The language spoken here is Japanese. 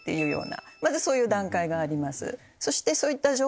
まずそういう段階があります。